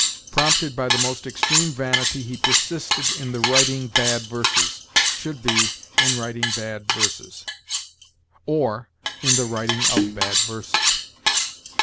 "Prompted by the most extreme vanity, he persisted in the writing bad verses," should be, "in writing bad verses," or "in the writing of bad verses."